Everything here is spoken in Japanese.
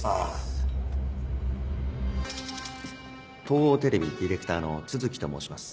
東央テレビディレクターの都築と申します。